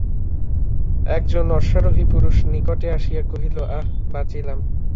এক জন অশ্বারোহী পুরুষ নিকটে আসিয়া কহিল, আঃ বাঁচিলাম।